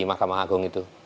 mahkamah agung itu